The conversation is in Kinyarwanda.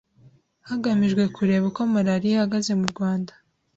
hagamijwe kureba uko malariya ihagaze mu Rwanda